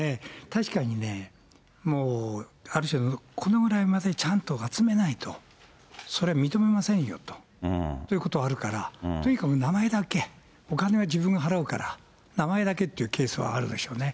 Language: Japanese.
確かにね、もうある種、このぐらいまでちゃんと集めないと、それは認めませんよということはあるから、とにかく名前だけ、お金は自分が払うから名前だけっていうケースはあるでしょうね。